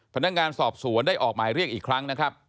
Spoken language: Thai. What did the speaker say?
พนักงานสอบสวนได้ออกหมายเรียกอีกครั้งนะครับ